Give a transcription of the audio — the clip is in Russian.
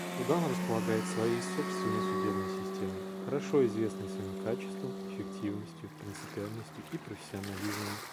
Судан располагает своей собственной судебной системой, хорошо известной своим качеством, эффективностью, принципиальностью и профессионализмом.